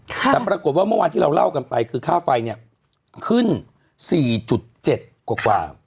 แต่ปรากฏว่าเมื่อวานที่เราเล่ากันไปคือค่าไฟเนี่ยขึ้น๔๗กว่า